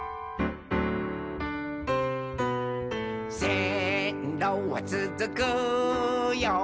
「せんろはつづくよ